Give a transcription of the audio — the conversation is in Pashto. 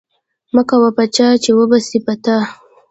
مکوه په چا، چي و به سي په تا